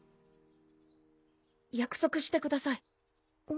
約束してください